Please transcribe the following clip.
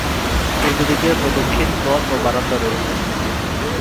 পূর্বদিকে প্রদক্ষিণ পথ ও বারান্দা রয়েছে।